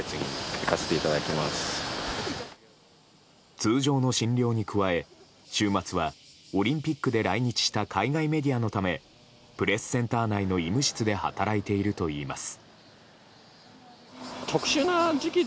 通常の診療に加え、週末はオリンピックで来日した海外メディアのためプレスセンター内の医務室で働いているといいます。